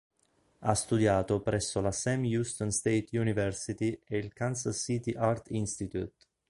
Ha studiato presso la Sam Houston State University e il Kansas City Art Institute.